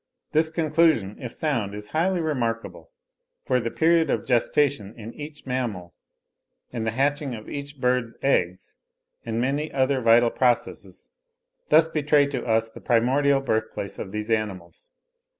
This conclusion, if sound, is highly remarkable; for the period of gestation in each mammal, and the hatching of each bird's eggs, and many other vital processes, thus betray to us the primordial birthplace of these animals.)